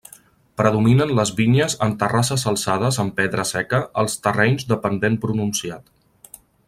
Predominen les vinyes en terrasses alçades amb pedra seca als terrenys de pendent pronunciat.